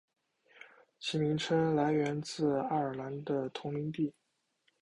其名称来源于爱尔兰的同名地。